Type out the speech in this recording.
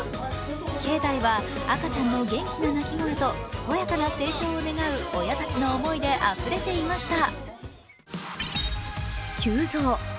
境内は赤ちゃんの元気な泣き声と健やかな成長を願う親たちの思いであふれていました。